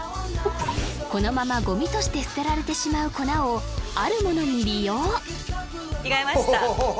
このままゴミとして捨てられてしまう粉をあるものに利用着替えました